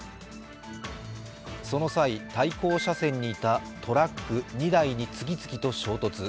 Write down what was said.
その際、対向車線にいたトラック２台に次々と衝突。